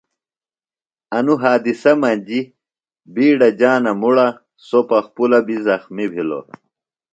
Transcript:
انوۡ حادِثہ مجیۡ بِیڈہ جانہ مُڑہ۔ سوۡ پخپُلہ بیۡ زخمیۡ بِھلوۡ۔